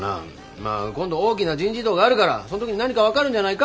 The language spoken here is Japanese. まあ今度大きな人事異動があるからそん時に何か分かるんじゃないか？